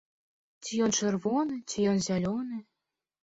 Ці ён чырвоны, ці ён зялёны.